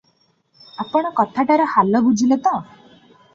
ଆପଣା କଥାଟାର ହାଲ ବୁଝିଲେ ତ?